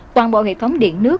toàn bộ hệ thống điện nước